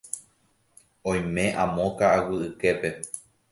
Oime amo ka'aguy yképe.